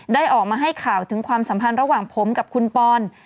ได้ออกมาให้ข่าวถึงความสัมพันธ์ระหว่างผมกับคุณปอน